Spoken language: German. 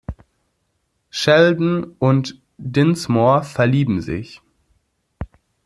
Sheldon und Dinsmore verlieben sich.